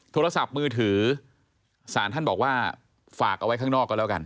โทรศัพท์มือถือศาลท่านบอกว่าฝากเอาไว้ข้างนอกก็แล้วกัน